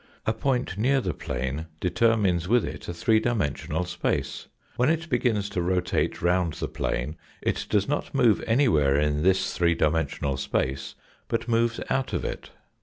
A point near the plane determines with it a three dimensional space. When it begins to rotate round the plane it does not move anywhere in this three dimensional space, but moves out of it.